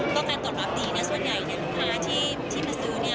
ต้องการตรวจรับดีส่วนใหญ่ในลูกค้าที่มาซื้อ